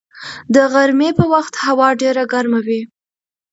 د غرمې په وخت هوا ډېره ګرمه وي